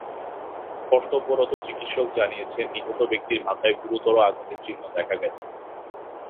কর্তব্যরত চিকিৎসক জানিয়েছেন, নিহত ব্যক্তির মাথায় গুরুতর আঘাতের চিহ্ন দেখা গেছে।